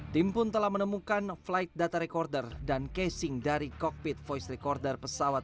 tim pun telah menemukan flight data recorder dan casing dari kokpit voice recorder pesawat